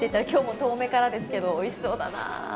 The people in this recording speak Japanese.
きょうも遠目からですけどおいしそうだな。